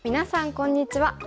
こんにちは。